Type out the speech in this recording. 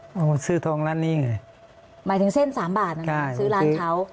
โอ้โหซื้อทองร้านนี้ไงหมายถึงเส้นสามบาทนะคะซื้อร้านเขา